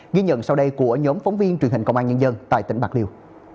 ghi nhận sau đây của nhóm phóng viên truyền hình công an nhân dân tại tỉnh bạc liêu